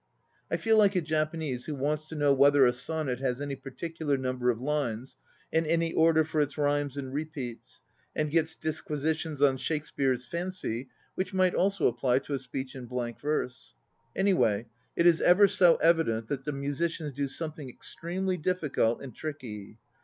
I feel like a Japanese who wants to know whether a sonnet has any particular number of lines, and any order for its rhymes and repeats, and gets disquisitions on Shakespeare's fancy which might also apply to a speech in blank verse. Anyway, it is ever so evident that the musicians do something extremely difficult and tricky.